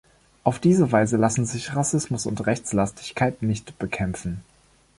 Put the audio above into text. Auf diese Weise lassen sich Rassismus und Rechtslastigkeit nicht bekämpfen.